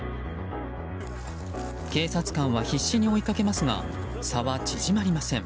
警察官は必死に追いかけますが差は縮まりません。